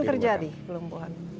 itu sering terjadi kelumpuhan